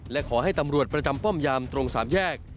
และขอให้ตำรวจประจำป้อมยามตรงสามแยก